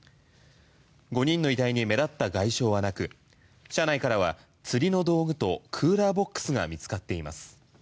５人の遺体に目立った外傷はなく車内からは釣りの道具とクーラーボックスが見つかっています。